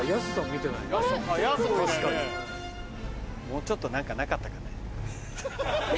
もうちょっと何かなかったかね。